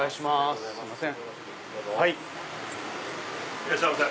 いらっしゃいませ。